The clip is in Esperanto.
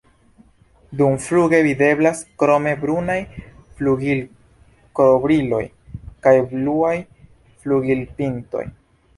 Dumfluge videblas krome brunaj flugilkovriloj kaj bluaj flugilpintoj.